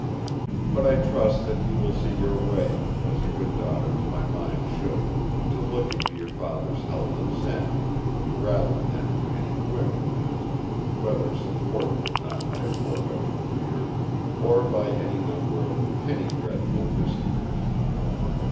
But I trust that you will see your way, as a good daughter to my mind should, to looking to your Father's health and sanity rather than to any whim of his—whether supported or not by a foregoing fear, or by any number of "penny dreadful" mysteries.